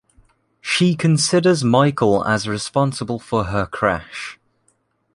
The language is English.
She considers Michael as responsible for her crash.